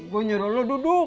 gue nyuruh lo duduk